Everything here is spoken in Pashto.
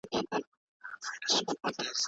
موږ په راتلونکي کي د یوې سوکاله ټولنې هیله لرو.